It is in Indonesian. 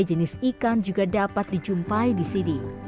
jenis ikan juga dapat dijumpai disini